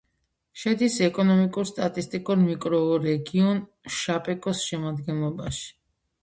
შედის ეკონომიკურ-სტატისტიკურ მიკრორეგიონ შაპეკოს შემადგენლობაში.